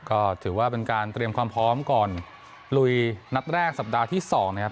ก็ถือว่าเป็นการเตรียมความพร้อมก่อนลุยนัดแรกสัปดาห์ที่๒นะครับ